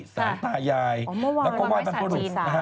ศาลตายายแล้วก็ไหว้ศาลจีน